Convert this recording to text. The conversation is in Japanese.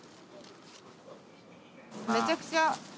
めちゃくちゃ。